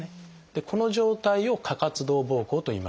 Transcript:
この状態を「過活動ぼうこう」といいます。